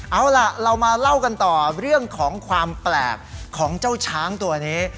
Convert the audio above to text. เอาล่ะเรามาเล่ากันต่อเรื่องของความแปลกของเจ้าช้างตัวนี้